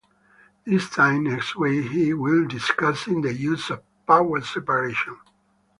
This time next week, we will be discussing the issue of power separation.